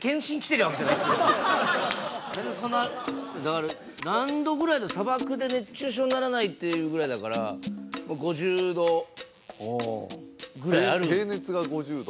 何でそんなこだわる何度ぐらいで砂漠で熱中症にならないっていうぐらいだから５０度ぐらいある平熱が５０度？